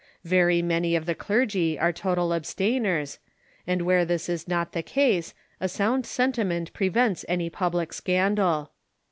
Very many of the clergy are total abstainers, and Avhere this is not the case a sound sentiment prevents any public scandal.